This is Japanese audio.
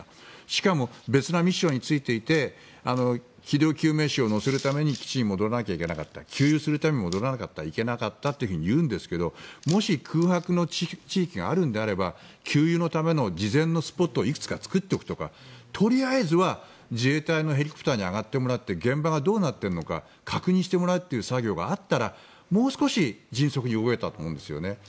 しかも別のミッションについていて救命士を乗せるために基地に戻らないといけなかった給油するために戻らないといけなかったというんですがもし空白の地域があるのであれば給油のための事前のスポットをいくつか作っておくとかとりあえずは自衛隊のヘリに上がってもらって現場がどうなっているのか確認してもらうという作業があったらもう少し迅速に動けたと思うんですね。